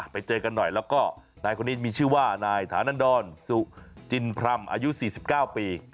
ไปเจอกันหน่อยแล้วก็นายคนนี้มีชื่อว่านายฐานันดรสุจินพรรมอายุ๔๙ปี